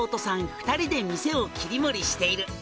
２人で店を切り盛りしている」